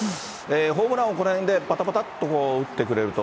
ホームランをこのへんでぱたぱたっと打ってくれると。